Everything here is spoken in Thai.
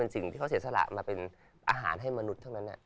สิ่งที่เขาเสียสละมาเป็นอาหารให้มนุษย์เท่านั้น